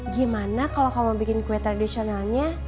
gimana kalau kamu bikin kue tradisionalnya